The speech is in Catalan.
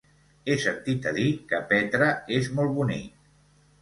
He sentit a dir que Petra és molt bonic.